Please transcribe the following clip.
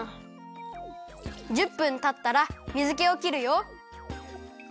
１０分たったら水けをきるよ。